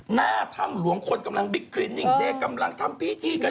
หน้าถ้ำหลวงคนกำลังบิ๊กคลินิ่งเด้กำลังทำพิธีกัน